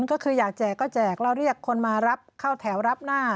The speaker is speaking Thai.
ก็คืออยากแจกก็แจกแล้วเรียกคนมารับเข้าแถวรับหน้า